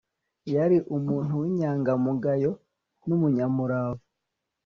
yari umuntu w'inyangamugayo n'umunyamurava